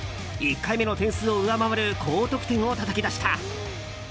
１回目の点数を上回る高得点をたたき出した。